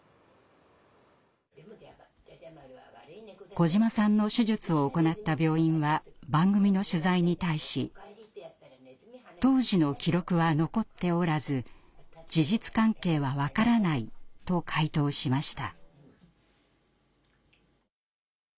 小島さんの手術を行った病院は番組の取材に対し当時の記録は残っておらず事実関係は分からないと回答しました。